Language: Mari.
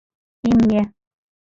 Имне: